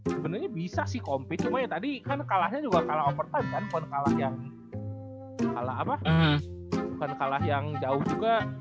sebenernya bisa sih compete cuma tadi kan kalahnya kalah operasi kan bukan kalah yang jauh juga